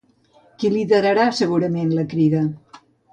Qui liderarà segurament la Crida?